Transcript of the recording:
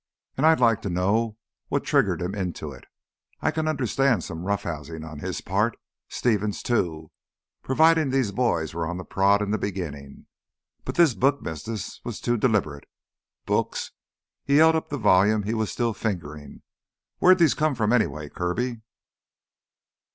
And I'd like to know what triggered him into it. I can understand some roughhousing on his part—Stevens, too—providing these boys were on the prod in the beginning. But this book business was too deliberate. Books—" He held up the volume he was still fingering. "Where'd these come from anyway, Kirby?"